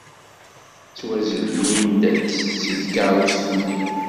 Ttwazellin-d seg tkeṛṛust-nni.